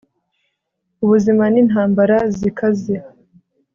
Ubuzima nintambara zikaze